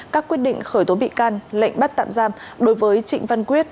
các quyết định khởi tố bị can lệnh bắt tạm giam đối với trịnh văn quyết